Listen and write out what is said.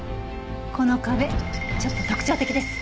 この壁ちょっと特徴的です。